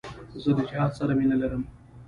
زه له جهاد سره مینه لرم.